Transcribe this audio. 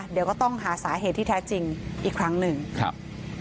เดี๋ยวก็ต้องหาสาเหตุที่แท้จริงอีกครั้งหนึ่งครับ